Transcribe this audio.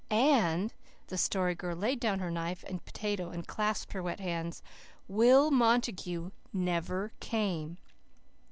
And" the Story Girl laid down her knife and potato and clasped her wet hands "WILL MONTAGUE NEVER CAME!"